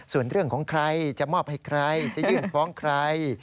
ส่วนเรื่องของใครจะมอบให้ใครจะยื่นฟ้องใคร